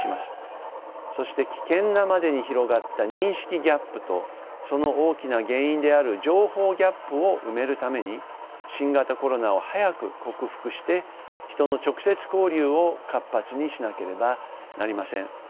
そして危険なまでに広がった認識ギャップとその大きな原因である情報ギャップを埋めるために新型コロナを早く克服して人の直接交流を活発にしなければなりません。